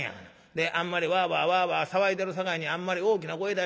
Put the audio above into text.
であんまりわあわあわあわあ騒いでるさかいに『あんまり大きな声出したらあかんで。